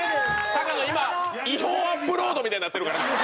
今違法アップロードみたいになってるから。